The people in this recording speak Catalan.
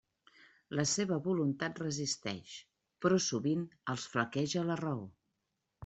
La seva voluntat resisteix, però sovint els flaqueja la raó.